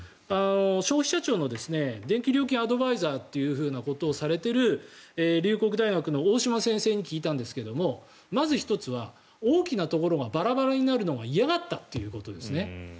消費者庁の電気料金アドバイザーということをされている龍谷大学の大島先生に聞いたんですがまず１つは大きなところがバラバラになるのを嫌がったということですね。